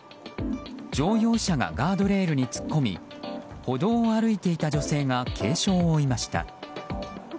乗用車がガードレールに突っ込み歩道を歩いていた女性が軽傷を負いました。